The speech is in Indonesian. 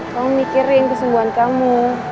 kamu mikirin kesembuhan kamu